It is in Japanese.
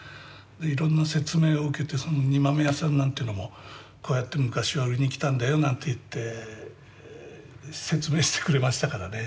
いろんな説明を受けて煮豆屋さんなんていうのもこうやって昔は売りに来たんだよなんて言って説明してくれましたからね。